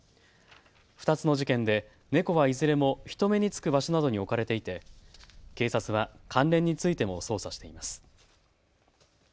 ２つの事件で猫はいずれも人目に付く場所などに置かれていて警察は関連についても捜査しています。